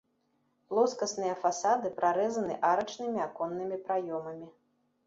Плоскасныя фасады прарэзаны арачнымі аконнымі праёмамі.